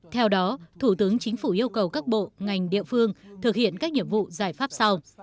theo đó thủ tướng chính phủ yêu cầu các bộ ngành địa phương thực hiện các nhiệm vụ giải pháp sau